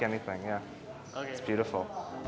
ini tidak seperti apa apa